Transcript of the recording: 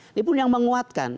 ini pun yang menguatkan